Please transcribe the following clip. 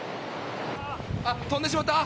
飛んでしまった！